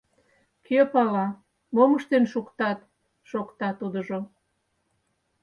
— Кӧ пала, мом ыштен шуктат, — шокта тудыжо.